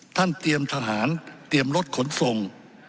เตรียมทหารเตรียมรถขนส่ง